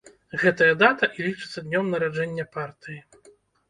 Гэта дата і лічыцца днём нараджэння партыі.